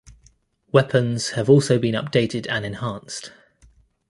Weapons have also been updated and enhanced.